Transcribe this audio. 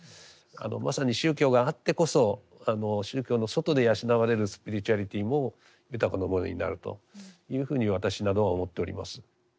まさに宗教があってこそ宗教の外で養われるスピリチュアリティも豊かなものになるというふうに私などは思っております。